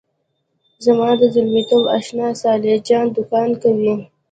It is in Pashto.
زما د زلمیتوب آشنا صالح جان دوکان کوي.